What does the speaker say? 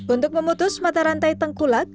untuk memutus mata rantai tengkulak